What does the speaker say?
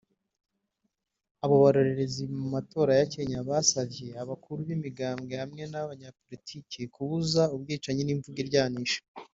Abo barorerezi mu matora ya Kenya basavye abakuru b'imigambwe hamwe n'abanyepolitike kubuza ubwicanyi n'imvugo iryanisha